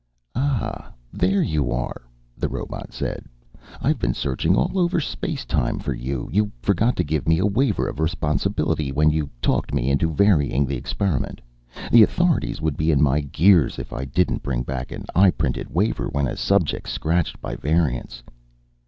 "Ah, there you are," the robot said. "I've been searching all over space time for you. You forgot to give me a waiver of responsibility when you talked me into varying the experiment. The Authorities would be in my gears if I didn't bring back an eyeprinted waiver when a subject's scratched by variance."